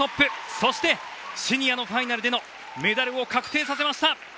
そして、シニアのファイナルでのメダルを確定させました。